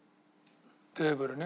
テーブルね。